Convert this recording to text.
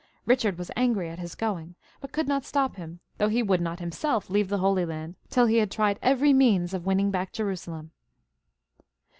Bichard was angry at his going, but could not stop him, though he would not himself leave the Holy Land till he had tried every means of winning back Jerusalem.